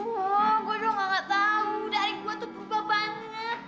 aduh gue doang nggak tahu dari gue tuh berubah banget